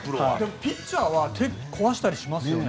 ピッチャーは手を壊したりしますよね。